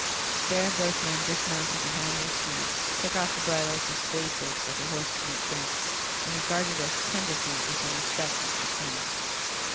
There both men dismounted behind their steeds, took off the bridles with spade bits that their horses might drink, and regarded us tenderfeet with some respect and concern.